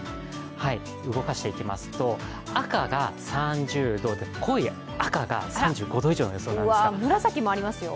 動かしていきますと、赤が３０度で、濃い赤が３５度以上の予想なんですが紫もありますよ。